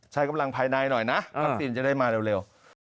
ใช้กำลังภายในหน่อยนะวัคซีนจะได้มาเร็ว